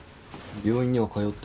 病院には通ってるって？